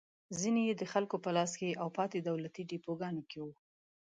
ځینې یې د خلکو په لاس کې او پاتې دولتي ډېپوګانو کې وو.